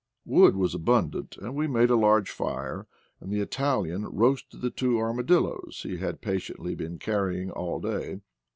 Wood was abundant, and we made a large fire, and the Italian roasted the two armadilloes he had patiently been carry ing all day.